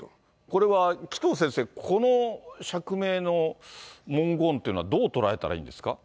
これは紀藤先生、この釈明の文言というのは、どう捉えたらいいんですか？